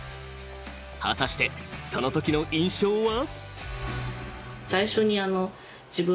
［果たしてそのときの印象は？］